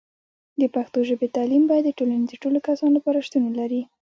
د پښتو ژبې تعلیم باید د ټولنې د ټولو کسانو لپاره شتون ولري.